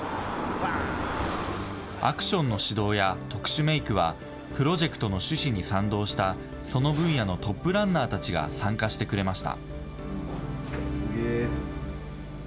アクションの指導や特殊メークは、プロジェクトの趣旨に賛同した、その分野のトップランナーたちが参加してくれました。